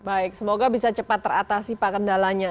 baik semoga bisa cepat teratasi pak kendalanya